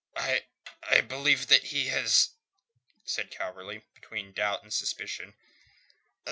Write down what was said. "I... I believe that he has," said Calverley, between doubt and suspicion.